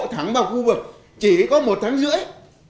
thắng vào khu vực chỉ có một tháng rưỡi